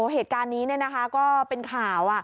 เหตุการณ์นี้ก็เป็นข่าว